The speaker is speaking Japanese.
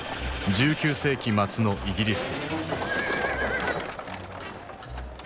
１９世紀末のイギリス。